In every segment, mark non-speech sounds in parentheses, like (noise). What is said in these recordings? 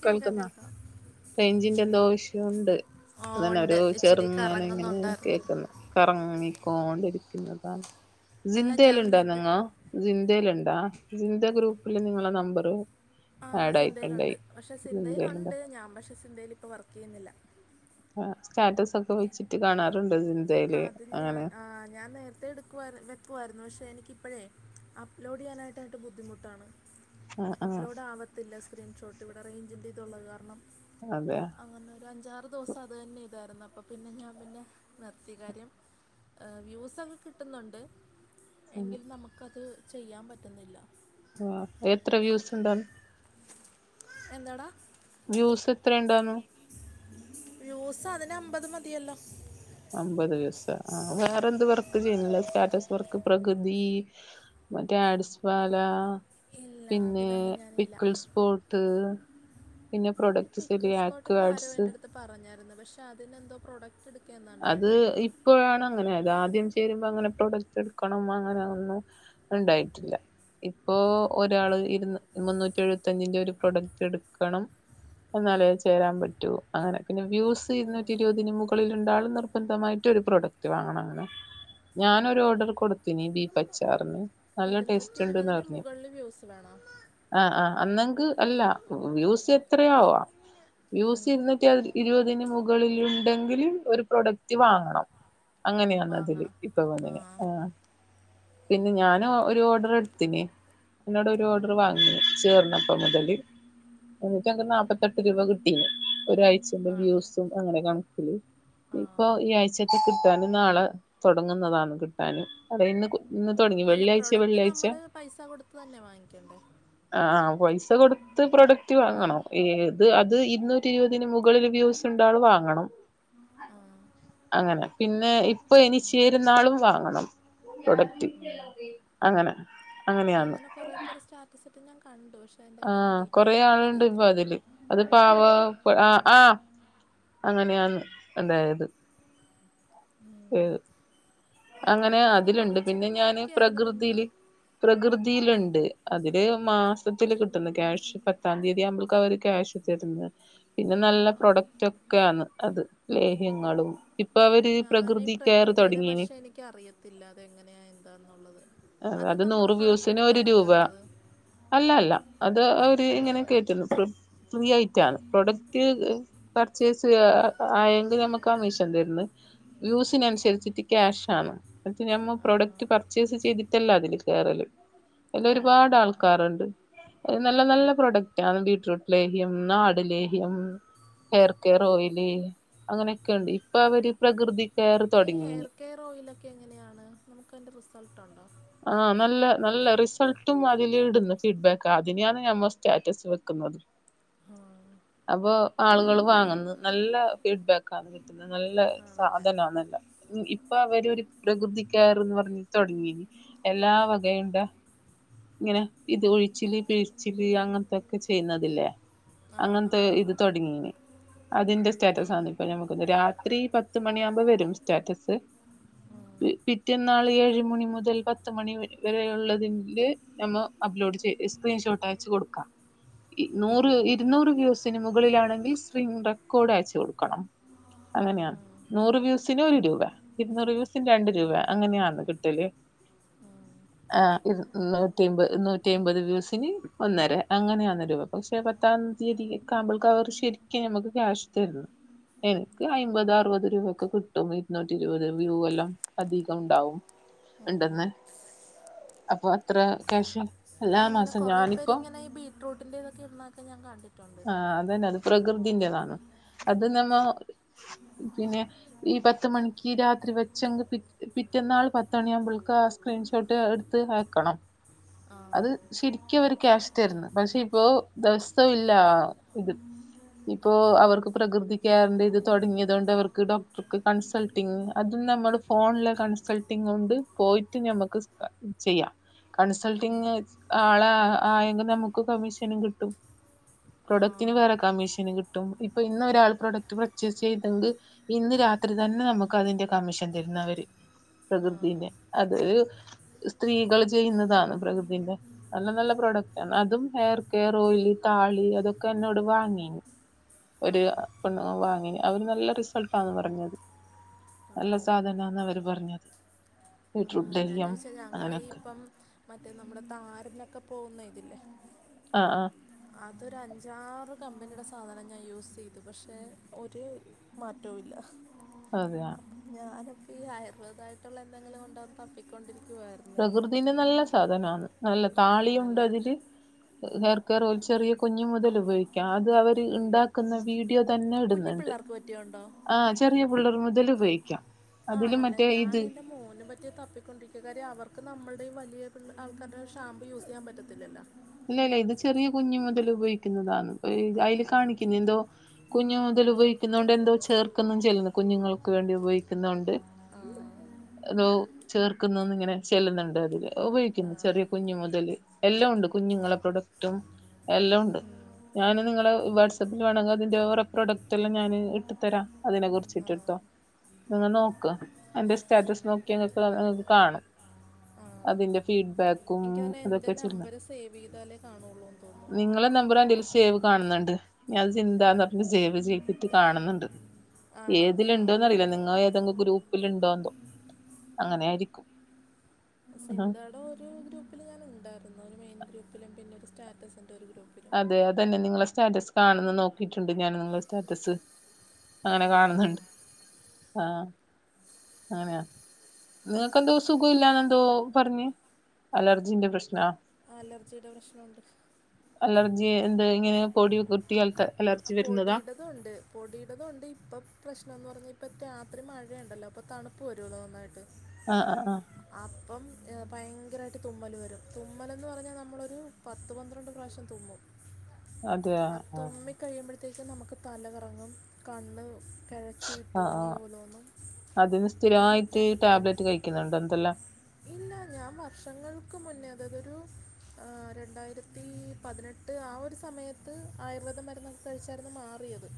കേൾക്കാം കേൾക്കാം റെയ്ഞ്ചിന്റെ എന്തോ ഒരിഷ്യു ഉണ്ട് ആ, അതെന്നെ ഉണ്ട് ഒരു ഇച്ചിരി ചെറുങ്ങന ഇങ്ങനെ കറങ്ങുന്നുണ്ടായിരുന്നു കേക്ക്ന്ന് കറങ്ങിക്കോണ്ടിരിക്കുന്നതാണ് സി അല്ല ന്തേ ഞാൻ ലുണ്ട നേരത്തെ നിങ്ങ? സിന്തേല്ണ്ടാ സിന്തേ ഗ്രൂപ്പില് നിങ്ങളെ നമ്പറ് ആഹ് ആഡ് സിന്തേലുണ്ട് ആയിട്ടുണ്ടായി പക്ഷെ സിന്തയിലുണ്ട് സിന്തേലൊണ്ട് ഞാൻ പക്ഷെ സിന്തേലിപ്പ വർക്ക് ചെയ്യുന്നില്ല ആഹ് സ്റ്റാറ്റസ് ഒക്കെ വെച്ചിട്ട് കാണാറുണ്ട് സി അതിന് ഞാൻ ആഹ് ഞാൻ നേരത്തെ എടു ക്കുവാ വെക്കുമായിരുന്നു പക്ഷേ എനിക്കിപ്പോഴേ അപ് ലോഡ് ചെയ്യാനായിട്ടാ യിട്ട് ബുദ്ധിമുട്ടാണ് ആ ആ അപ് ലോഡ് ആവത്തില്ല സ്ക്രീന്ഷോട്ട് ഇവിടെ റേഞ്ചിന്റെ ഇതുള്ള കാരണം അതെയ ആന്ന് ഒരു അഞ്ചാറ് ദിവസം അത് തന്നെ ഇതായിരുന്നു അപ്പ പിന്നെ ഞാൻ പിന്നെ നിർത്തി കാര്യം വ്യൂസൊക്കെ കിട്ടുന്നുണ്ട് എങ്കിൽ നമുക്കത് ചെയ്യാൻ പറ്റുന്നില്ല ആഹ് എത്ര വ്യൂസ് ഉണ്ടാന്ന് എന്താടാ? വ്യൂസ് എത്ര ഇണ്ടാന്നു? വ്യൂസ് അതിന് അമ്പത് മതിയല്ലോ അമ്പത് വ്യൂസ് ആഹ് വേറെന്ത് വർക്ക് ചെയ്യുന്നില്ല സ്റ്റാറ്റസ് വർക്ക് പ്രകൃതി മറ്റേ ആഡ്സ് വാല ഇല്ല പിന്നെ അതിലൊന്നും ഞാനില്ല പിക്കിൾസ് പോട്ട് പിന്നെ പ്രൊഡക്ട് സെല്ലി ആക്ക്വാഡ്സ് അത് പറഞ്ഞായിരുന്നു പക്ഷെ അതിനെന്തോ പ്രോഡക്ട് എട് അത് ഇപ്പോഴാണ് അങ്ങനെ അത് ആദ്യം ചേരുമ്പോ അങ്ങനെ പ്രൊഡക്ട് എടുക്കണം അങ്ങനെ ഒന്നും ഇണ്ടായിറ്റില്ല ഇപ്പോ ഒരാള് ഇരുന്ന് മുന്നൂറ്റി എഴുപത്തഞ്ചിന്റെ ഒരു പ്രൊഡക്റ്റ് എടുക്കണം എന്നാലെ ചേരാൻ പറ്റൂ അങ്ങനെ പിന്നെ വ്യൂസ് ഇരുന്നൂറ്റി ഇരുപതിന് മുകളിൽ രണ്ടാളും നിർബന്ധമായിട്ട് ഒരു പ്രൊഡക്റ്റ് വാങ്ങണം അങ്ങനെ ഞാനൊരു ഓർഡർ കൊടുത്തിന് ബീഫ് അച്ചാറിന് നല്ല ഇരുന്നൂറ്റി ടേസ്റ്റ് ഇരുപതിന് മുകളിൽ വ്യൂസ് വേണോ ആഹ ആഹ് അന്നെങ്കിൽ അല്ല വ്യൂസ് എത്രയാവാ വ്യൂസ് ഇരിന്നൂറ്റി ഇരുപതിന് മുകളിൽ വ്യൂ ഉണ്ടെങ്കില് ഒരു പ്രൊഡക്റ്റ് വാങ്ങണം അങ്ങനെയാണ് അതില് വാങ്ങണം ഇപ്പൊ ആ വന്നെ ആഹ് പിന്നെ ഞാൻ ഒരു ഓർഡർ എടുത്തിന് എന്നോട് ഒരു ആ ഓർഡർ വാങ്ങി ചേർന്നപ്പം മുതല് എനിക്കന്ന് നാപത്തെ എട്ട് രൂപ കിട്ടീന് ഒരാഴ്ചന്റെ ആണല്ലോ വ്യൂസും അങ്ങനെ കണക്കില്. ആ ഇപ്പൊ ഈ ആഴ്ചക്ക് കിട്ടാനും നാളെ തുടങ്ങുന്നതാണ് കിട്ടാനും അതെ ഇന്ന് ആ. ഇന്ന് തൊടങ്ങി അല്ല പ്രൊഡക്റ്റ് നമ്മള് പൈസ കൊടുത്ത് തന്നെ വാങ്ങിക്കണ്ടേ ആഹ് പൈസ കൊട്ത്ത് പ്രൊഡക്റ്റ് വാങ്ങണം ഏത് അത് ഇരുന്നൂറ്റി ഇരുപതിന് മുകളിൽ വ്യൂസ് രണ്ടാളും വാങ്ങണം ആ അങ്ങനെ പിന്നെ ഇപ്പൊ എനി അങ്ങനെ ചേരുന്നാളും വാങ്ങണം പ്രൊഡക്റ്റ് അങ്ങനെ അങ്ങനെയാന്ന് അങ്ങനെ കുറേ പേര് സ്റ്റാറ്റസിട്ടത് ഞാൻ കണ്ടു പക്ഷെ അതിൻ്റെ എങ്ങനെ ആഹ ഡീറ്റെയിൽ കൊറെ ഒന്നും ആളുണ്ട് ഇപ്പൊ നമുക്കറിയത്തില്ല അതില്. അത് പാവ അപ്പൊ ആഹ് ആഹ അങ്ങനെയാണ് ഉണ്ടായത്. എഹ് ആ അങ്ങനെ ഞാനിങ്ങനെ അതിലുണ്ട് കുറച്ചൊക്കെ പിന്നെ ഞാന് നോക്കിയായിരുന്നു പിന്നെ പ്രകൃതിയില്. പ്രകൃതിയിലുണ്ട് അതില് മാസത്തില് കിട്ടുന്നു ക്യാഷ് പത്താം തീയതി നമ്മക്ക് അവര് ക്യാഷ് തരുന്ന പിന്നെ നല്ല ആണ്. പ്രൊഡക്റ്റ് ഒക്കെയാണ് അത് ലേഹ്യങ്ങളും ഇപ്പൊ അവര് പ്രകൃതി കെയർ തുടങ്ങിയിന് എനിക്കറിയത്തില്ല അത് എങ്ങനെയാ എന്താന്നുള്ളത് അത് നമ്മൾ നൂറ് പ്രൊഡക്റ്റ് വ്യൂസിന് ഒരു എടുത്താണ് രൂപ കയറണത് അല്ല അല്ല അത് അവര് ഇങ്ങനെ കേറ്റുള്ളൂ ഫ്രീ ഐറ്റാണ് പ്രൊഡക്റ്റ് പർച്ചേസ് ആയെങ്കിൽ നമുക്ക് കമ്മിഷൻ തരുന്നു വ്യൂസിനനുസരിച്ചിട്ട് ക്യാഷ് ആണ് അത് ഞമ്മ ആ പ്രൊഡക്റ്റ് പർച്ചേസ് ചെയ്തിട്ട് മറ്റല്ല അതില് കേരല് അതിൽ ആ ഒരുപാട് ആൾക്കാരുണ്ട് നല്ല നല്ല പ്രോഡക്റ്റ് ആണ് ബീറ്റ്റൂട്ട് ലേഹ്യം ആട് ലേഹ്യം ഹെയർ കെയർ ഓയില് അങ്ങനെയൊക്കെണ്ട് ഇപ്പൊ അവര് പ്രകൃതി കെയർ ഈ തുടങ്ങീന് ഹെയർ ഓയിലൊക്കെ എങ്ങനെയാണ് നമുക്കതിൻ്റെ റിസൾട്ടുണ്ടോ ആഹ് നല്ല നല്ല റിസൾട്ടും അതിൽ ഇടുന്ന ഫീഡ്ബാക്ക് അതിനെയാണ് ഞമ്മ സ്റ്റാറ്റസ് വെക്കുന്നത് ആ, അപ്പൊ ആളുകൾ വാങ്ങുന്നത് നല്ല ഫീഡ്ബക്ക് ആണ് നല്ല ആണല്ലേ സാധനാണ് എല്ലാം ഇപ്പൊ അവരരു പ്രകൃതികെയർ എന്ന് പറഞ്ഞ് തുടങ്ങീ എല്ലാ വകയണ്ട. ഇങ്ങനെ ഇത് ഒഴിച്ചില് പിഴിച്ചില് അങ്ങനത്തൊക്കെ ചെയ്യുന്നതില്ലേ ആ ആ അങ്ങനത്തെ ഇത് തുടങ്ങീന അതിന്റെ സ്റ്റാറ്റസ് ആണ് ഇപ്പൊ നമുക്ക് രാത്രി പത്ത് മണിയാകുമ്പോ വരും സ്റ്റാറ്റസ്. ഉം, പിറ്റേന്ന് നാളെ ഏഴ് മണി മുതൽ പത്ത് മണി വരെയുള്ളതില് നമ്മ അപ്ലോഡ് ചെയ് സ്ക്രീൻഷോട്ട് അയച്ച് കൊടുക്കാം നൂറ് ഉം, ഇരുന്നൂറ് വ്യൂ സിനുമുകളിലാണെങ്കിൽ സ്ക്രീൻ റെക്കോർഡ് അയച്ചു കൊടുക്കണം അങ്ങനെയാണ് നൂറ് വ്യൂസിന് ഒരു രൂപ ഇരുന്നൂറ് വ്യൂസിന് രണ്ട് രൂപ അങ്ങനെയാണ് കിട്ടല് ആഹ് നൂറ്റിമ്പത് നൂറ്റി അമ്പത് വ്യൂസിന് ഒന്നര അങ്ങനെയ രൂപ പക്ഷെ പത്താം തീയതിക്ക ആകുമ്പോക്ക് അവർ ശരിക്കും നമുക്ക് ക്യാഷ് തരുന്നു എനിക്ക് അമ്പത് ആണല്ലേ അറുപത് രൂപ ഒക്കെ കിട്ടും ഇരുന്നൂറ്റി ഇരുപത് വ്യൂ എല്ലാം അധികം ഉണ്ടാവും ഉം. ഉണ്ടന്ന് അപ്പൊ അത്ര ക്യാഷാ ആഹ് ഇങ്ങന കുറെ പേര് ഇങ്ങനെ ഈ ബീറ്റ്‌റൂട്ടിൻ്റെ ഇതൊക്കെ ഇടണക്ക ഞാൻ കണ്ടിട്ടുണ്ട് ആഹ് അത് തന്നെ അത് പ്രകൃതിന്റെതാണ് അത് നമ്മ പിന്നെ ഈ പത്ത് മണിക്ക് രാത്രി വെച്ചെ പിറ്റന്നാള് പത്ത മണിയാവുമ്പോള സ്ക്രീൻഷോട്ട് എടുത്ത് വെക്കണം ആ അത് ശരിക്കും അവർ ക്യാഷ് തരുന്ന് പക്ഷെ ഇപ്പൊ ദിവസവും ഇല്ല ഇത് ഇപ്പോ അവർക്ക് പ്രകൃതി കെയറിന്റെ ഇത് തുടങ്ങിയതുകൊണ്ട് അവർക്ക് ഡോക്ടർക്ക് കൺസൾട്ട് ട്ടിംഗ് അത് നമ്മുടെ ഫോണില കൺസൾട്ടിങ് ഉണ്ട് പോയിട്ട് ഞമ്മക്ക് ചെയ്യാം ഉം. കൺസൾട്ടിങ് ആള ആയെങ്കും നമുക്ക് കമ്മീഷനും കിട്ടും ആ പ്രൊഡക്റ്റന് വേറെ കമ്മീഷന് കിട്ടും ഇപ്പൊ ഇന്ന് ഒരാൾ പ്രൊഡക്റ്റ് പർച്ചേസ് ചെയ്ത്ക്ക് ഇന്ന് രാത്രി തന്നെ നമക്ക് അതിന്റെ കമ്മീഷൻ തരുന്ന അവര് ആ പ്രകൃതിന് അത് സ്ത്രീകള് ചെയ്യുന്നതാ പ്രകൃതിന്റെ നല്ല നല്ല പ്രോഡക്റ്റ് ആണ് അതും ഹെയർ കെയർ ഓയിലി താളി അതൊക്കെ എന്നോട് വാങ്ങീന് ആ ഒര് അ പെന്നോ വാങ്ങി അവര് നല്ല റിസൾട്ടാന്ന് പറഞ്ഞത് നല്ല ആണല്ലേ സാധനാന്ന് അവര് പറഞ്ഞത് ബീറ്റ്റൂട്ട്ലെ എന്ന് വെച്ചാ ഞങ്ങളീ ഇപ്പം മറ്റേ നമ്മുടെ താരനൊക്കെ പോവുന്ന ഇതില്ലേ ആഹ് ആഹ് അതൊരു അഞ്ചാറ് കമ്പനിയുടെ സാധനം ഞാൻ യൂസ് ചെയ്തു പക്ഷെ ഒരു. മാറ്റോല്ല അതെയാ ഞാനിപ്പ ഇ ആയൂർവേദം ആയിട്ടുള്ള എന്തങ്കിലും ഒണ്ടൊന്ന് തപ്പി കൊണ്ടിരിക്കുവാരുന്നു പ്രകൃതിന് നല്ല സാധനാണ് നല്ല ആണല്ലേ താളിയുണ്ടതില് ഹെയർ കെയർ ഓൽ ചെറിയ കുഞ്ഞു മുതൽ ഉപയോഗിക്കാം അത് അവർ ഉണ്ടാക്കുന്ന വീട് ടിയോ തന്നെ കുഞ്ഞു ഇടുന്നുണ്ട് പിള്ളേർക്ക് പറ്റിയുണ്ടോ ആഹ് ചെറിയ പിള്ളർ മുതൽ ഉപയോഗിക്കാം അതില് ആണല്ലേ മറ്റേ ഇത് ഞാനെന്റെ മോനു പ റ്റി തപ്പിക്കൊണ്ടരിക്കുക കാര്യം അവർക്ക് നമ്മളുടെയും വലിയ പിൾ ആൾക്കാരുടെ ഷാമ്പു യൂസ് ചെയ്യാൻ പറ്റത്തില്ലല്ലോ ഇല്ല ഇല്ല ഇത് ചെറിയ കുഞ്ഞ് മുതൽ ഉപയോഗിക്കുന്നതാണ് ആ, അതിൽ കാണിക്കുന്നത് എന്തോ കുഞ്ഞു മുതൽ ഉപയോഗിക്കുന്നോണ്ട് എന്തോ ചേർക്കുന്നും ചെല്ലുന്നു കുഞ്ഞുങ്ങൾക്ക് വേണ്ടി ഉപയോഗിക്കുന്നോണ്ട് ആഹ് തോ ചേർക്കുന്നന്ന് ഇങ്ങനെ ചെല്ലുന്നുണ്ട് അതില് ആ, ആ, ഉപയോഗിക്കുന്ന ചെറിയ കുഞ്ഞു മുതല് എല്ലാം ഒണ്ട് കുഞ്ഞുങ്ങളെ പ്രൊഡക്റ്റും എല്ലാം ഒണ്ട് ഉം, ഞാന് നിങ്ങള വാട്ട്സാപ്പ്ല് വേണോങ്കി അതിന്റെ വേറെ പ്രോഡക്റ്റ് എല്ലാം ഞാന് ഇട്ട് തരാം അതിനെ കുറിച്ചിട്ട്ട് തൊ നിങ്ങ നോക്ക്‌ അതിന്റെ സ് സ്റ്റാറ്റസ് നോക്കിയങ്ങക് അ കാണും ആ. അതിന്റെ ഫീഡ്ബാക്ക് കും എനിക്ക് തോന്നുന്നു എൻ്റെ അതൊക്കെചിര്ന്ന് നമ്പർ സേവ് ചെയ്താലേ കാണുള്ളൂ എന്ന് തോന്നുന്നു നിങ്ങളെ നമ്പറാ എന്റെല് സ് സേവ് കാണുന്ന്ണ്ട് ഞാൻത് ചിന്താന്ന് പറഞ്ഞ് സേവ് ചെയ്തിട്ട് കാണുന്ന്ണ്ട് ആണോ ആ ഏതിലുണ്ടോന്ന്റിയില്ല നിങ്ങ ഏതെങ്കിലും ഗ്രൂപ്പില്ണ്ടോന്തോ അങ്ങനായിരിക്കും ചിന്താടെ ഒരു ഗ്രൂപ്പിൽ ഞാാനുണ്ടായര്ന്നു ഒരു മെയിൻ ഗ്രൂപ്പിലും പിന്നെ ഒരു സ്റ്റാറ്റസ് ന്റെ ഒരു ഗ്രൂപ്പ് അതെ അതന്നെ നിങ്ങളെ സ്റ്റാറ്റസ് കാണന്ന നോക്കിയിട്ട്ണ്ട് ഞാൻ നിങ്ങള സ്റ്റാറ്റസ് അങ്ങനെ ആ, കാണന്ന്ണ്ട് ആഹ് അങ്ങനെയാ നിങ്ങക്കെന്തോ സുഖല്ലാന്നന്തോ പറഞ്ഞഞ് അലർജിന്റെ പ്രശ്നാ അലർജിടെ പ്രശ്ന്ണ്ട് അലർജി എന്ത് ഇങ്ങനെ പൊടി കുത്തിയാൽത്തെ അലർജി വരുന്നതാ പൊടിയിടതും ഒണ്ട് പൊടിയിടതും ഒണ്ട് ഇപ്പൊ പ്രശ്നം എന്ന് പറഞ്ഞാ ഇപ്പൊ രാത്രി മഴയുണ്ടല്ലോ അപ്പൊ തണ്പ്പ് വരുല്ലോ നന്നായിട്ട് ആഹ് ആഹ് ആഹ് അപ്പം ഏ പയങ്കരായിട്ട് തുമ്മല് വരും തുമ്മലന്ന് പറഞ്ഞാൽ നമ്മളൊരു പത്ത് പന്ത്രണ്ട് പ്രാവശ്യം തുമ്മും അതെയ അ ആഹ് തുമ്മി കഴിയുമ്പോഴത്തേക്കും നമുക്ക് തലകറങ്ങും കണ്ണ് കഴച്ചു വിട്ടു ആഹ് പോവുന്ന ആഹ് പോലതോന്നും അതിന് സ്ഥിരമായിട്ട് ടാബ്ലറ്റ് കഴിക്കുന്നുണ്ട് എന്തല്ല ഇല്ല ഞാൻ വർഷങ്ങൾക്ക് മുന്നേ അതതൊരു ആ രണ്ടായിരത്തി പതിനെട്ട് ആ ഒരു സമയത്ത് ആയുർവേദ മരുന്ന് കഴിച്ചായിരുന്നു മാറിയത്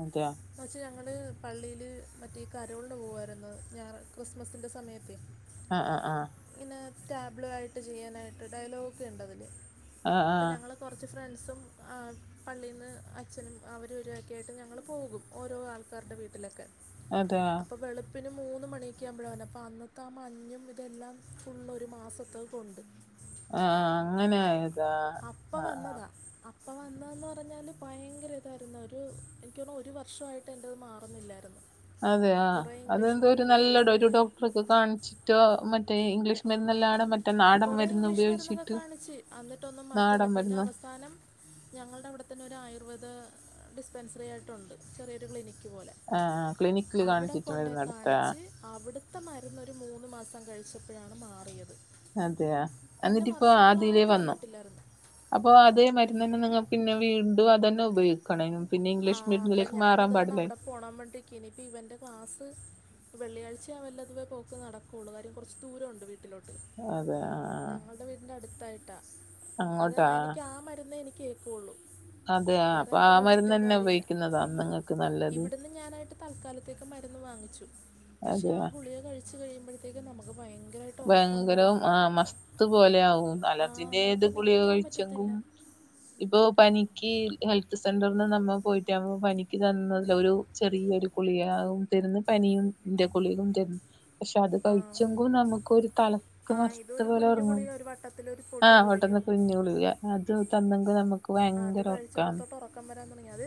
അതെയാ എന്ന് വച്ചാ ഞങ്ങള് പള്ളിയില് മറ്റേ കരോളിന് പോവാര്ന്നു ഞായറ് ക്രിസ്മസിന്റെ സമയത്തെ ആഹ് ആഹ് ആഹ് ഇങ്ങനെ ടാബ്ലു ആയിട്ട് ചെയ്യാനായിട്ട് ഡയലോഗൊക്കെ ഇണ്ടതില് ആഹ് അപ്പ ആഹ് ഞങ്ങള് കൊറച്ച് ഫ്രണ്ട്സും പള്ളീന്ന് അച്ഛനും അവരും ഇരൊക്കെ ആയിട്ട് ഞങ്ങള് പോകും. ഓരോ ആൾക്കാര്ടെ വീട്ടിലൊക്കെ അതാ അപ്പൊ വെളു പിന്നെ മൂന്ന് മണിയൊക്കെ ആകുമ്പള വരെന അപ്പ അന്നത്തെ. ആ മഞ്ഞും ഇതെല്ലാം ഫുള്ള് ഒരു മാസത്തഹ് തുണ്ട്. ആഹ് അങ്ങനെ എത്ത് അപ്പം വന്നതാ അപ് ഇപ്പ വന്നെതെന്ന് പറഞ്ഞാല് പയങ്കര ഇതായിരുന്നു. ഒരു എൻക്ക് തോന്ന്ണു ഒരു വർഷവായിട്ട് എൻ്റത് മാറുന്നില്ലായിരുന്നു. അതെ ആ കുറേ ഇംഗ്ലീഷ് അതെന്തോ ഒരു മരുന്നൊക്കെ നല്ല യൂസ് ഒരു ചെയ്ത് ഡോക്ടർക്ക് കാണിച്ച് റ്റോ മറ്റേ ഇംഗ്ലീഷ് മരുന്നല്ലാണ് മറ്റെ നാടൻ മര്ന്ന് ഉപയോഗിച്ചിട്ട്. അന്നിട്ടൊന്നും മാറ്റല്ല നാടൻ പിന്നെ മരുന്ന് അവസാനം. ഞങ്ങളുടെ അവിടെത്തന്നെ ഒരു ആയുർവേദ ഡിസ്പെൻസറി ആയിട്ടുണ്ട്. ചെറിയൊരു ക്ലിനിക്ക് പോലെ. ആഹ് ക്ലിനിക്കില് അവിടെ കാണിച്ചിട്ട് കൊണ്ടോയി മരുന്നെടുത്താ കാണിച്ച് അവിട്ത്തെ മരുന്നൊരു മൂന്ന് മാസം കഴിച്ചപ്പഴാണ് മാറിയത്. അതെയ എന്നിട്ട് ഇപ്പോ ആദ്യലേ വന്നു തരുന്ന (unintelligible) അപ്പൊ അതേ മരുന്ന് തന്നെ നിങ്ങക്ക് പിന്നെ വീണ്ടും അതെന്നെ ഉപയോഗി ണ പിന്നെ ഇംഗ്ലീഷ് മീഡിയത്തിലേക്ക് മാറാ പാടില്ലെ. പോണാൻ വേണ്ടിക്ക് ഇനി ഇപ്പം ഇവൻ്റെ ക്ലാസ്. വെള്ളിയാഴ്ചയാ വല്ല അതുപേ പോക്ക് നടക്കോള്ളു. കാര്യം കൊറച്ച് ദൂര ഉണ്ട് വീട്ടിലേ അതെ ആഹ് ഞങ്ങളുടെ വീട്ടിന്റെ അടുത്തായിട്ടാ. അത് അങ്ങോട്ടാ അനിക്ക് ആ മരുന്നെ എനിക്ക് ക്കുള്ളൂ അതെയ അപ്പൊ ആ മരുന്ന് തന്നെ ഉപയോഗിക്കുന്നത അന്ന് ഇങ്ങ ഇവിടുന്ന് ഞാനായിട്ട് തൽക്കാലത്തേക്ക് മരുന്ന് വാങ്ങിച്ചു. പക്ഷെ ആ അതെയ ഗുളികെ കഴിച്ചു കഴിയുമ്പഴ ത്തേക്കു നമുക്ക് ഭയങ്കര്വായിട്ട് ഒറക്കം വരും. ഭയങ്കരം ആ മസ്ത് പോലെ ആവും ആഹ് അലർജിന്റെ ഏത് നമുക്ക് ഗുളിക നിക്കാൻ പറ്റ ത്തില്ല കഴിച്ചെങ്കും ഇപ്പൊ പനിക്ക് ഹെൽത്ത് സെന്ററ്ന്ന് നമ്മ പോയിട്ടെ അപ്പ പനിക്ക് തന്നത് ഒരു ചെറ്യേ ഒരു കുളിയായും. തരുന്ന് പനിയും ഇന്റ കുളിരും തരുന്ന് പക്ഷെ അത് ആ കഴിച്ചെങ്കും നമുക്ക് ക്കു ഒരു തലക്ക് ആ മസ്ത ഇതൊരു പോലെ കുഞ്ഞു ഒറങ്ങ്ണ്. ഗുളിക ഒരു വട്ടത്തിലൊരു പൊടി ആഹ് വിട്ട്ന്ന് ഗുളിക കുഞ് കുളിക. അത് തന്നെങ്ക് നമക്ക്. ആത് കഴിച്ചപ്പ തൊട്ട് ഒറക്ക റക്കം വരാൻ തൊടങ്ങി. അത്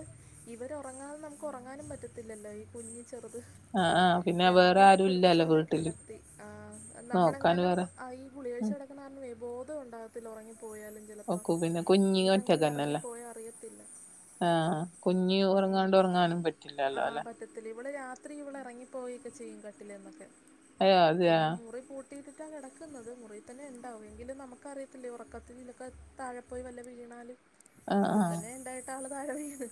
ഇവര് ഒറങ്ങാതെ നമുക്ക് ഒറങ്ങാനും പറ്റത്തില്ലോ. ഈ കുഞ്ഞ് ചെറുത് ആ ആ ഞാൻ വേറെ പിന്നെ ആരും ഇല്ലല്ലോ കുളിപ്പിച്ചൊണ്ടൊക്കെ വീട്ടില് കെടത്തി. ആ നമ്മളെ നോക്കാന് എങ്ങാനും വേറെ ഈ ഗുളികഴിച് ഉം. കെടക്ക്ണത് കാരണേ ബോധം ഉണ്ടാകത്തില്ല. ഉറങ്ങിപ്പോയാലും ചെലപ്പം ഓക്കു പിന്നെ കുഞ്ഞ് ഇതങ്ങന ഒറ്റക്കന്നല്ലേ ഉങ്ങിപ്പോയ അറിയത്തില്ല. ആ കുഞ്ഞ് അങ്ങനെ ഉറങ്ങാണ്ട് ബണ്ട് ഉറങ്ങാനും പറ്റില്ലല്ലോ ആഹ് ത്തില്ല ഇവള് രാത്രി ഇവളറങ്ങിപ്പോയിക്കെ ചെയ്യും കട്ടിലിന്നൊക്കെ അയ്യോ അതെയ പിന്നെ മുറിപൂട്ട് ത്തിൽതിട്ടാ കെടക്കുന്നത്. മുറിയിൽ തന്നെ ഇണ്ടാവും. എങ്കിലും നമുക്കറിയത്തില്ലേ ഒറക്കത്തിലൊക്കെ താഴെപ്പോയി വല്ല വീണാല് ആഹ് ഇപ്പ തന്നെ ഇണ്ടായിട്ട് ആള് താഴെ വീണ്.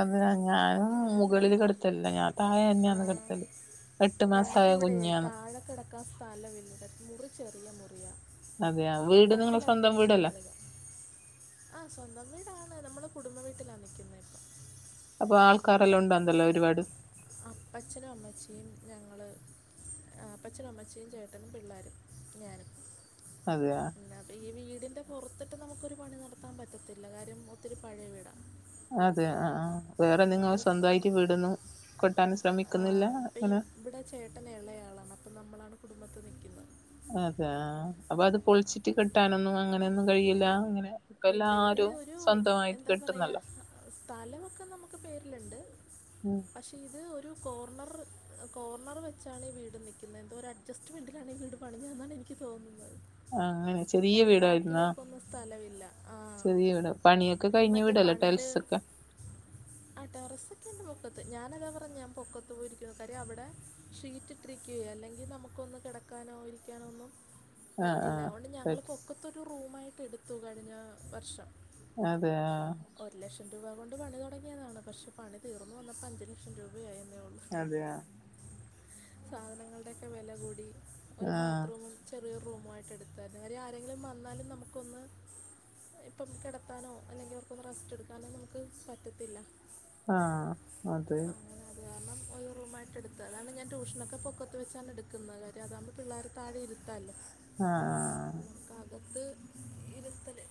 അതാ ഞാന് അങ്ങനെ മുകളില് കെടുത്തല്ല. ഞാൻ തായ ആ, ന്ന്യെ കെട്ത്തല്. എട്ട് മാസായ കുഞ്ഞാണ്. ക്കാൻ സ്ഥല വില്ല. മുറി ചെറിയ മുറിയാ. അതെയ വീട് നിങ്ങളെ കട്ടില് സ്വന്തം അത്യാവശ്യം വീടല്ലേ വലുതാ. ആഹ് സ്വന്തം വീടാണ്. നമ്മള് കുടുംബ വീട്ടിലാ നിൽക്കുന്നെ ഇപ്പൊ. അപ്പൊ ആൾക്കാരെല്ലാം ഉണ്ടാന്തെല്ലാ ഒരുപാട്. അപ്പച്ചനും അമ്മച്ചിയും ഞങ്ങള് ആഹ് അപ്പച്ചനും അമ്മച്ചിയും ചേട്ടനും പിള്ളേരും ഞാനും അതെയാ. പിന്നെ അപ്പൊ ഈ വീടിന്റെ പുറത്തിട്ട് നമുക്കൊരു പണി നടത്താൻ പറ്റത്തില്ല. കാര്യം ഒത്തിരി പഴയ വീടാ അതെ ആ ആ വേറെ നിങ്ങള് ഇനിയിപ്പം സ്വന്തായിറ്റ് വീടൊന്നും കെട്ടാന് ആ, ശ്രമിക്കുന്നില്ല ഇപ്പം അങ്ങനെ. ഇവിടെ ചേട്ടൻ ഇളയാളാണ്. അപ്പം നമ്മളാണ് കുടുംബത്ത് നിയ്ക്കുന്നത്. അതെ ആ അത് അപ്പൊ അത് പൊൾച്ച്ട്ട് കെട്ടാനൊന്നും അങ്ങനെയൊന്നും കഴിയില്ലാ അങ്ങനെ ഇപ്പ ഇല്ല ഇത് എല്ലാരും ഒരു സ്വന്തമായിട്ട് എന്താ പറയാ കെട്ടുന്നല്ലോ സ്ഥലമൊക്കെ നമുക്ക് പേരിലുണ്ട്. ഉം. പക്ഷേ ഇത് ഒരു കോർണർ കോർണർ വെച്ചാണ് ഈ വീട് നിക്കുന്നെ എന്തോ ഒരു അഡ്ജസ്റ്റ്മെൻറ്റിലാണ് ഈ വീട് പണിഞ്ഞ അതാണ് എനിക്ക് തോന്നുന്നത് ആഹ് അങ്ങനെ ചെറിയ വീടായിരുന്നാ സ്ഥലവില്ല ആഹ്. ചെറിയ വീടാ പണിയൊക്കെ കഴിഞ്ഞ വീടല്ലെ ടൈൽസൊക്കെ. ആ ടെറസ് ഒക്കെയുണ്ട് പൊക്കത്ത്. ഞാനതാ പറഞ്ഞേ ഞാൻ പൊക്കത്ത് പോയി ഇരിക്കൂന്ന്. കാര്യം അവ്ടേ ഷീറ്റിട്ടിരിക്കുകയാ അല്ലെങ്കി നമുക്കൊന്ന് കിടക്കാനോ ഇരിക്കാനോ ഒന്നും. ആഹ് പറ്റില്ല അതുകൊണ്ട് ആഹ് ഞങ്ങള് പൊക്കത്തൊരു റൂമായിട്ട് എടുത്തു കഴിഞ്ഞ വർഷം. അതെയാ. ഒരു ലക്ഷം രൂപ കൊണ്ട് പണി തുടങ്ങിയതാണ് പക്ഷെ പണി തീർന്ന് വന്നപ്പ അഞ്ച് ലക്ഷം രൂപയായി എന്നേ ഉള്ളൂ. അതെയാ. സാധനങ്ങളുടെയൊക്കെ വില കൂടി ഒരു ആഹ് ബാത്ത്റൂമും ചെറിയൊരു റൂമായിട്ട് എടുത്തായിരുന്നു കാര്യം ആരെങ്കിലും വന്നാലും നമുക്കൊന്ന് ഇപ്പം കിടത്താനോ അല്ലെങ്കി അവർക്കൊന്ന് റെസ്റ്റ് എടുക്കാനോ നമുക്ക് പറ്റത്തില്ല. ആഹ് അത് അങ്ങനെ അത് കാരണം ഒരു റൂമായിട്ട് എടുത്ത്. അതാണ് ഞാൻ ട്യൂഷനൊക്കെ പൊക്കത്ത് വച്ചാണ് എടുക്കുന്നത്. കാര്യം അതാകുമ്പോ പിള്ളേര് താഴെ ഇരുത്താലോ. ആഹ് ആഹ് ആഹ് നമുക്കകത്ത് ഇരുത്തല്